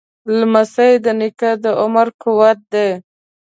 لمسی د نیکه د عمر قوت دی.